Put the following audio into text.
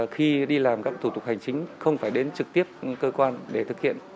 khi đi làm các thủ tục hành chính không phải đến trực tiếp cơ quan để thực hiện